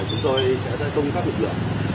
chúng tôi sẽ tôn các lực lượng